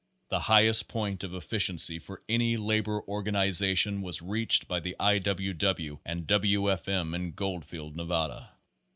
The highest point of ef ficiency for any labor organization was reached by the I. W. W. and W. F. M. in Goldfield, Nevada.